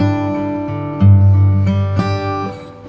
terima kasih ya mas